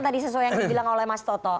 tadi sesuai yang dibilang oleh mas toto